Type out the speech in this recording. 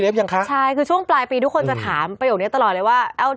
แล้วซื้อกองไหนดีน่ะ